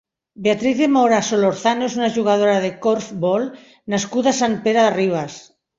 Beatriz de Mora Solorzano és una jugadora de corfbol nascuda a Sant Pere de Ribes.